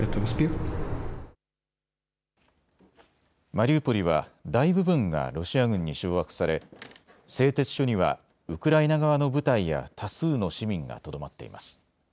マリウポリは、大部分がロシア軍に掌握され、製鉄所にはウクライナ側の部隊や多数の市民がとどまっています。